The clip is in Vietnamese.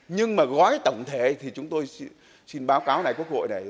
nhưng mà gói tổng thể thì chúng tôi xin báo cáo quốc hội này